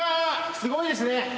すごいですね。